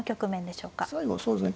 最後そうですね